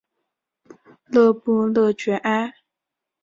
勒布斯屈埃。